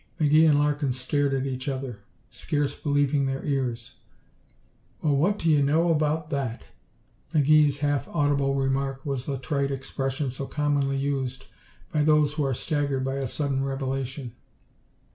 McGee and Larkin stared at each other, scarce believing their ears. "Well what do you know about that!" McGee's half audible remark was the trite expression so commonly used by those who are staggered by a sudden revelation.